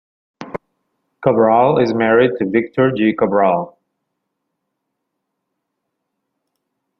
Cabral is married to Victor G. Cabral.